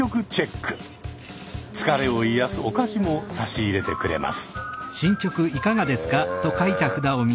疲れを癒やすお菓子も差し入れてくれます。